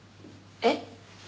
えっ？